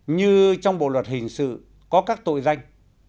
như trong bộ luật hình sự có các tội danh